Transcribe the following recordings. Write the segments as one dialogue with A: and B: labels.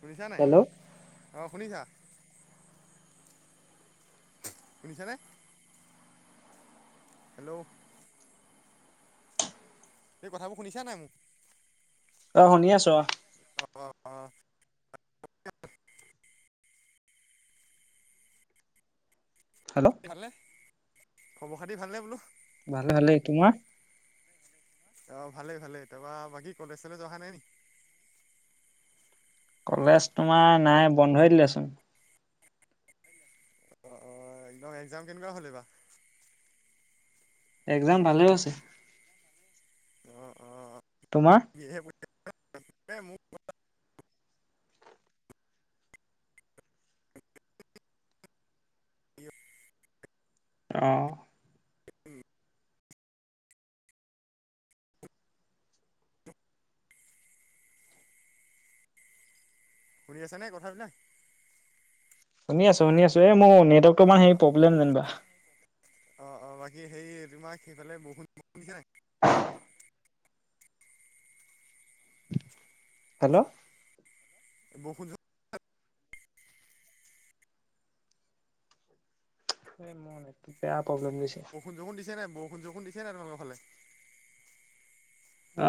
A: শুনিছা নাই,
B: হেল্ল'
A: অ, শুনিছা? শুনিছনে? হেল্ল', এই কথাবোৰ শুনিছা নাই মোক?
B: অ, শুনি আছোঁ অ,
A: অ, অ, অ,
B: হেল্ল'
A: অ ভালনে খবৰ খাতি ভালনে বোলো?
B: ভালে ভালে তোমাৰ?
A: অ, ভালে ভালে তাৰপা বাকী কলেজ চলে অহা নাই নেকি?
B: কলেজ তোমাৰ নাই বন্ধই দিলেচোন।
A: অ, অ, একদম এক্জাম কেনেকুৱা হ'লে বা?
B: এক্জাম ভালে গৈছে।
A: অ, অ,
B: তোমাৰ?
A: [inaudible] [inaudible] মোক [inaudible]
B: অ,
A: শুনি আছ নে কথাবিলাক?
B: শুনি আছোঁ শুনিছোঁ মোৰ নেটৱৰ্ক
A: অ
B: [inaudible] প্ৰ্লেম জনিবা।
A: অ অ বাকী হে তোমাক সেইফালে বৰষুণ [inaudible] দিছে নাই?
B: [inaudible] হেল্ল'?
A: বসুধ
B: এ মোৰ নেটটো বেয়া প্ৰব্লেম দিছে।
A: ষুন যোখন দিছে নে নাই বৰষুণ যোখন দিছেনে নাই তোমাৰফালে?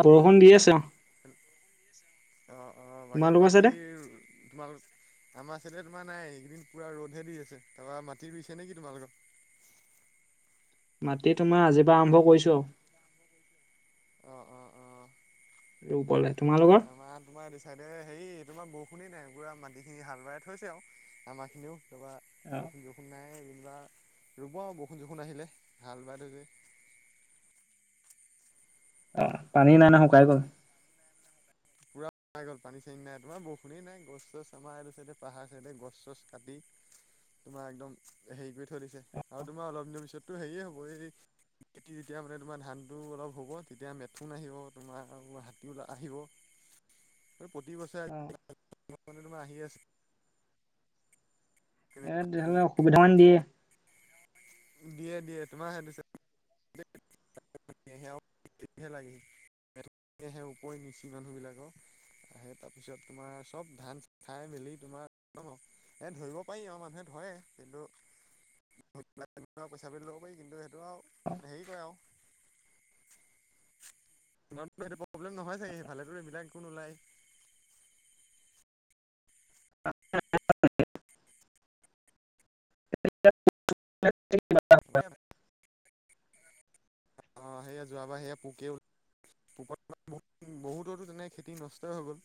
B: বৰষুণ দি আছে অ।
A: অ, অ, বাকী
B: তোমালোকৰ চাইডে
A: মাটিৰ তোমালোক আমাৰ চছে তোমাৰ নাই এইকেইদিন পুৰা ৰ'দহে দি আছে তাৰপৰা মাটি ৰুইছে নেকি তোমালোক?
B: মাটি তোমাৰ আজিৰ পৰাা আৰম্ভ কৰিছোঁ আৰু।
A: [inaudible] অ, অ, অ।
B: ৰুবলে। তোমালোকৰ
A: আমাৰ তোমাৰ এইটো চাইডে হেৰি তোমাৰ বৰষুণেই নাই বুঢ়ৰা মাটিখিনি হাল বৱাই থৈছে আৰু আমাৰখিনিও তাৰপবা
B: অ
A: বৰষুণ চৰষুণ নাই যেনিবা ৰুব বৰষুণ চৰষুণ আহিলে ভাল বাই থৈছে।
B: অ, পানী নাই না শুকাই গ'ল।
A: [unintelligible] পাই গল পানী চানী নাই তোমাৰ বৰষুণেই নাই গছ চছ আমাৰ এই চাইডে পাহাৰ চাইডে গছ চছ কাটি
B: [inaudible]
A: তোমাৰ একদম হেৰি কৰি থৈ দিছে আৰু তোমাৰ অলপ দিনৰ পিছতো হেয়ে হ'ব এই খেতি যেতিয়া মানে তোমাৰ ধানটো অলপ হ'ব তেতিয়া মেথোন আহিব তোমাৰ হাতী ও আহিব। আৰু প্ৰতি [unintelligible] বছৰোন
B: অ
A: তোমাৰ আহি আছে।
B: এ তেনেহলে অসুবিধা মান দিয়ে।
A: দিয়ে দিয়ে তোমাৰ সে [unintelligible] [unintelligible] লাগে পুহে নিচি মানুহ বিলাকৰ। সেই তাৰপিছত তোমাৰ চব ধান খাই মেলি তোমাৰ সেই ধৰিব। পাৰি আমাৰ মানুহে ধৰে কিন্তু পইচা বুলি ল'ব পাৰি কিন্তু কিটো আৰু হেৰি কৰে আৰু তোমাৰফালে প্ৰব্লেম নহয় চাগেফালে এইবিলাক একো নোলায়।
B: [unintelligible] [unintelligible]
A: আহ সেয়া যোৱাবা সেয়া পোকে উল পোপাল বহুততো তেনেকৈ খেতি নষ্টই হৈ গ'ল।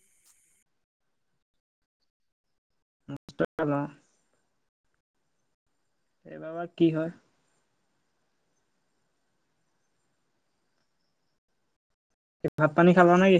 B: কষ্ট [unintelligible] এইবাৰ বা কি হয়? ভাত পানী খালা না কি?